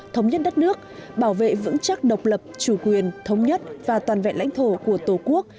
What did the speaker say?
thống nhất đất nước bảo vệ vững chắc độc lập chủ quyền thống nhất và toàn vẹn lãnh thổ của tổ quốc